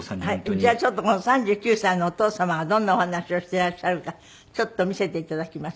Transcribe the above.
じゃあちょっとこの３９歳のお父様がどんなお話をしてらっしゃるかちょっと見せていただきましょう。